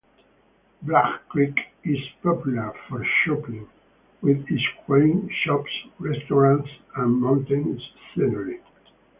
Bragg Creek is popular for shopping, with its quaint shops, restaurants, and mountain scenery.